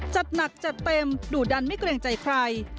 จัดหนักจัดเต็มดุดันไม่เกรงใจใคร